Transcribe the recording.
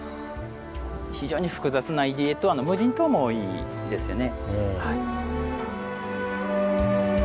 非常に複雑な入り江と無人島も多いんですよね。